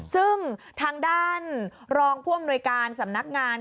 ซึ่งทางด้านรองผู้อำนวยการสำนักงาน